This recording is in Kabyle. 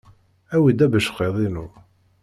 Awi-d abeckiḍ-inu.